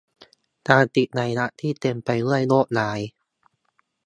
การติดไวรัสที่เต็มไปด้วยโรคร้าย